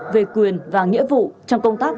về quyền và nghĩa vụ trong công tác